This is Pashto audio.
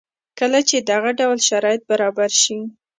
کله چې دغه ډول شرایط برابر شي